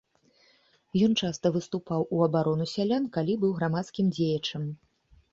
Ён часта выступаў у абарону сялян, калі быў грамадскім дзеячам.